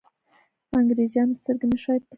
انګرېزانو سترګې نه شوای پټولای.